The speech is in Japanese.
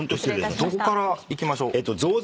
どこからいきましょう？